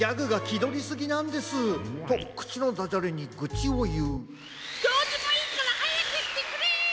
どうでもいいからはやくしてくれ！